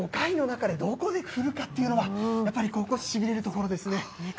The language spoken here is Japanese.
５回の中で、どこで振るかっていうのは、やっぱりここ、しびれるところですね。